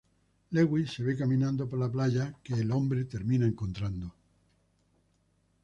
Lewis se ve caminando por la playa que el hombre termina encontrando.